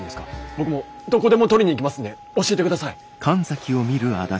僕もうどこでも取りに行きますんで教えてください！